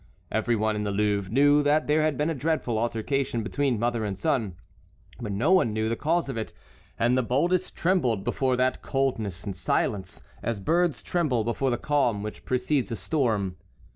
Every one in the Louvre knew that there had been a dreadful altercation between mother and son, but no one knew the cause of it, and the boldest trembled before that coldness and silence, as birds tremble before the calm which precedes a storm.